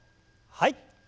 はい。